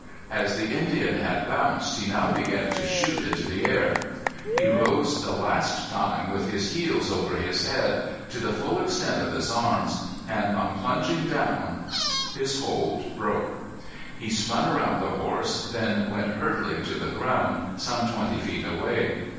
As the Indian had bounced he now began to shoot into the air. He rose the last time with his heels over his head, to the full extent of his arms; and on plunging down his hold broke. He spun around the horse, then went hurtling to the ground some twenty feet away.